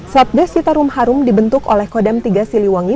satgas citarum harum dibentuk oleh kodam tiga siliwangi